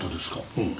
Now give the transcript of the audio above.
うん。